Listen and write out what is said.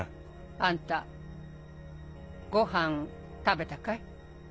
あんたごはん食べたかい？